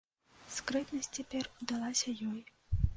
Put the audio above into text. Скрытнасць цяпер удалася ёй.